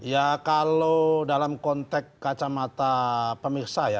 ya kalau dalam konteks kacamata pemirsa ya